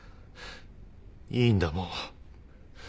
いいんだもう。